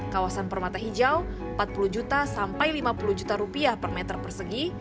kawasan permata hijau empat puluh juta sampai lima puluh juta rupiah per meter persegi